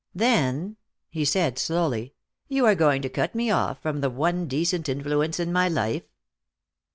"Then," he said slowly, "you are going to cut me off from the one decent influence in my life."